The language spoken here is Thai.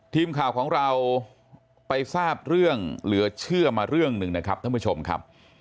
ทีมข่าวของเราไปทราบเรื่องเหลือเชื่อมาเรื่องหนึ่งนะครับท่านผู้ชมครับ